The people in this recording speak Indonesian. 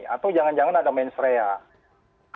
atau jangan jangan ada mensrea